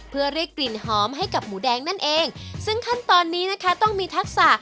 เพื่อเรียกกลิ่นหอมให้กับหมูแดงนั่นเองซึ่งขั้นตอนนี้นะคะต้องมีทักษะ